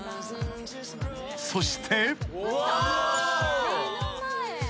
［そして］